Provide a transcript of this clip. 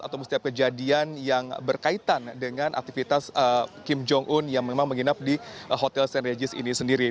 atau setiap kejadian yang berkaitan dengan aktivitas kim jong un yang memang menginap di hotel st regis ini sendiri